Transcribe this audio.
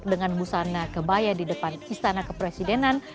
dengan busana kebaya di depan istana kepresidenan